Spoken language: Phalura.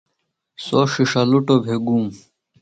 سوۡ ݜِݜلُٹوۡ بھےۡ گُوم۔